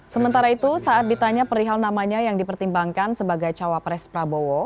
sementara itu saat ditanya perihal namanya yang dipertimbangkan sebagai cawapres prabowo